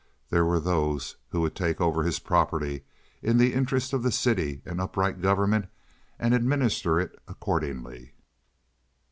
There were those who would take over his property in the interest of the city and upright government and administer it accordingly.